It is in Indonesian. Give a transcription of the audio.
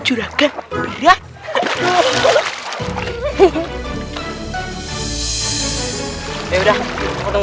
tidak ada yang bisa diberikan kebenaran